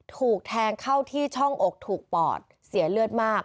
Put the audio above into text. ถูกแทงเข้าที่ช่องอกถูกปอดเสียเลือดมาก